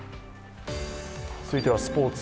続いてはスポーツ。